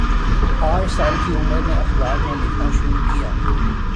آٹھ سال کی عمر میں اخبار میں لکھنا شروع کیا